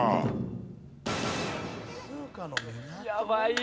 やばい。